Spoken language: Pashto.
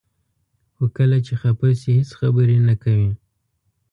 خو کله چې خفه شي هیڅ خبرې نه کوي.